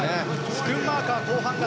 スクンマーカー、後半型。